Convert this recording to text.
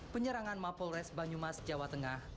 penyerangan mapolres banyumas jawa tengah